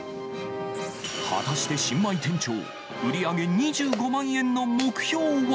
果たして新米店長、売り上げ２５万円の目標は。